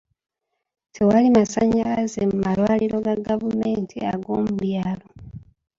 Tewali masannyalaze mu malwaliro ga gavumenti ag'omu byalo.